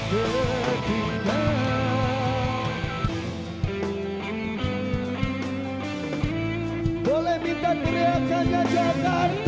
hati tak mampu cepat menerangkan